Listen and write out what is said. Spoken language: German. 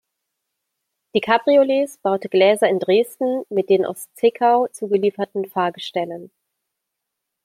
Die Cabriolets baute Gläser in Dresden mit den aus Zwickau zugelieferten Fahrgestellen.